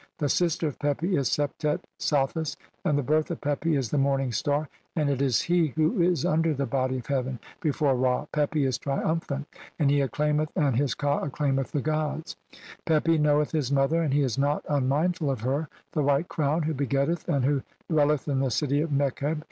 The sister of Pepi is Septet "(Sothis), and the birth of Pepi is the morning star, "and it is he who is under the body of heaven be "fore Ra. Pepi is triumphant, and he acclaimeth and "his ka acclaimeth [the gods]." "Pepi knoweth his mother, and he is not unmind "ful of her, the White Crown, who begetteth and who "dwelleth in the city of Nekheb.